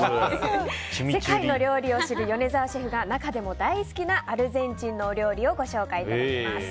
世界の料理を知る米澤シェフが中でも大好きなアルゼンチンのお料理をご紹介いただきます。